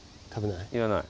いらない？